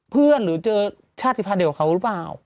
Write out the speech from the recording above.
เพื่อนหรือภาพเด็ดของเขารึเปล่า